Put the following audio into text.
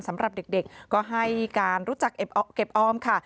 สำหรับเด็กก็ให้การรู้จักเก็บออมค่ะ